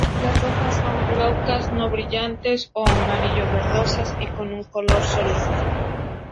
Las hojas son glaucas, no brillantes o amarillo-verdosas, y con un color sólido.